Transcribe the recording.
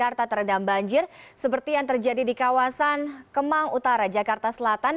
jakarta terendam banjir seperti yang terjadi di kawasan kemang utara jakarta selatan